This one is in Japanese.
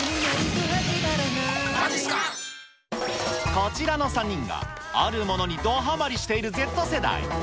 こちらの３人が、あるものにドハマりしているＺ世代。